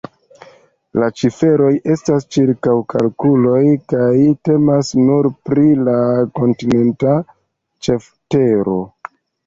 La ciferoj estas ĉirkaŭkalkuloj kaj temas nur pri la kontinenta ĉeftero.